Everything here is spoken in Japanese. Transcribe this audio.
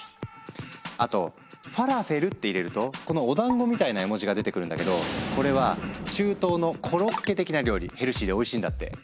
あと「ふぁらふぇる」って入れるとこのおだんごみたいな絵文字が出てくるんだけどこれは中東のコロッケ的な料理ヘルシーでおいしいんだって。